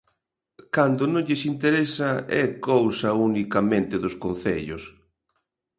Cando non lles interesa, é cousa unicamente dos concellos.